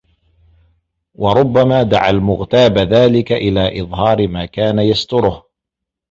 وَرُبَّمَا دَعَا الْمُغْتَابَ ذَلِكَ إلَى إظْهَارِ مَا كَانَ يَسْتُرُهُ